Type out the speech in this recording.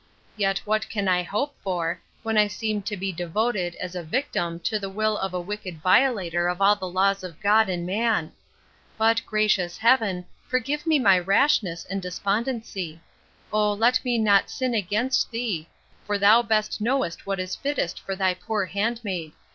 But yet what can I hope for, when I seem to be devoted, as a victim to the will of a wicked violator of all the laws of God and man!—But, gracious Heaven, forgive me my rashness and despondency! O let me not sin against thee; for thou best knowest what is fittest for thy poor handmaid!